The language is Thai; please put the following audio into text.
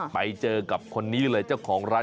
ไปเจอกับคนนี้เลยเจ้าของร้าน